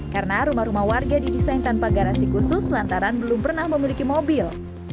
karena rumah rumah warga didesain tanpa garasi khusus lantaran belum pernah memiliki mobil